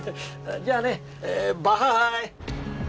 じゃあねバッハハーイ。